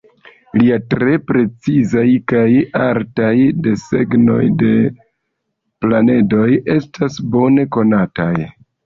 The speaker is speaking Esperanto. Lia tre precizaj kaj artaj desegnoj de planedoj estas bone konataj.